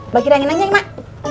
bagi renginannya ya mak